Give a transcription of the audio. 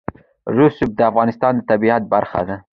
رسوب د افغانستان د طبیعت برخه ده.